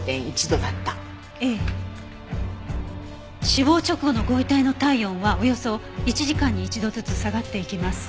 死亡直後のご遺体の体温はおよそ１時間に１度ずつ下がっていきます。